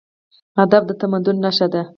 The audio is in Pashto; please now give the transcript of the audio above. ادب د تمدن نښه ده.